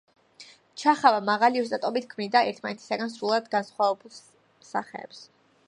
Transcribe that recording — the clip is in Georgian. ჩახავა მაღალი ოსტატობით ქმნიდა ერთმანეთისაგან სრულად განსხვავებულ სახეებს.